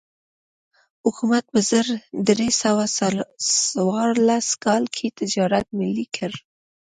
حکومت په زر درې سوه څوارلس کال کې تجارت ملي کړ.